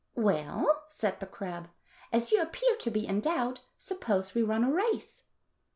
"Well," said the crab, "as you appear to be in doubt, suppose we run a race."